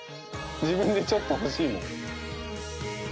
自分でちょっと欲しいもん。